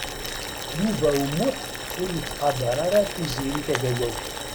Yuba U Muḥ ur yettqadeṛ ara Tiziri Tagawawt.